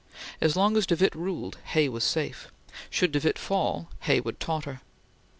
As long as de Witte ruled, Hay was safe. Should de Witte fall, Hay would totter.